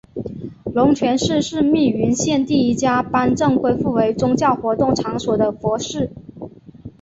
龙泉寺是密云县第一家颁证恢复为宗教活动场所的佛寺。